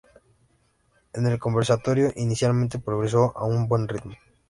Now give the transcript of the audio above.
En el Conservatorio inicialmente progresó a un buen ritmo.